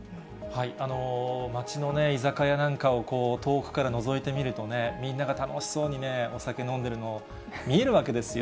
街の居酒屋なんかを遠くからのぞいてみると、みんなが楽しそうにね、お酒飲んでるの、見えるわけですよ。